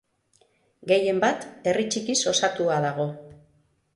Gehienbat herri txikiz osatua dago.